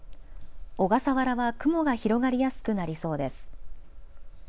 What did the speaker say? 小笠原は雲が広がりやすくなりそうです。